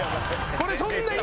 これそんな今。